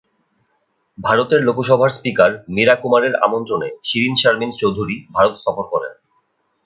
ভারতের লোকসভার স্পিকার মিরা কুমারের আমন্ত্রণে শিরীন শারমিন চৌধুরী ভারত সফর করেন।